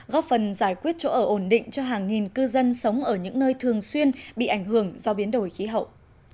góp phần giải quyết chỗ ở ổn định cho hàng nghìn cư dân sống ở những nơi thường xuyên bị ảnh hưởng do biến đổi khí hậu